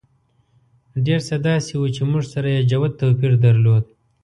ډېر څه داسې وو چې موږ سره یې جوت توپیر درلود.